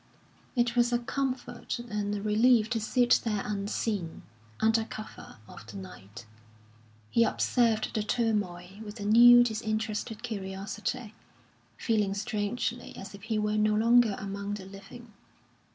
It was a comfort and a relief to sit there unseen, under cover of the night. He observed the turmoil with a new, disinterested curiosity, feeling strangely as if he were no longer among the living.